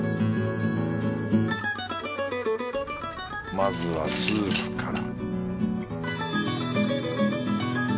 まずはスープから